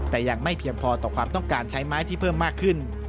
แต่ยังไม่เพียงพอต่อความต้องการใช้ไม้ที่เพิ่มมากขึ้น